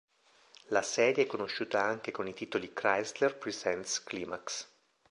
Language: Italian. La serie è conosciuta anche con i titoli Chrysler presents Climax!